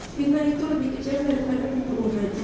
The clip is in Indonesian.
fikmah itu lebih kecil daripada keperluannya